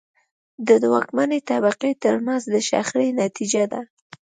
د واکمنې طبقې ترمنځ د شخړې نتیجه ده.